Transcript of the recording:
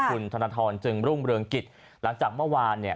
คุณถนนทรรจึงร่วมเริงกฤษหลังจากเมื่อวานเนี่ย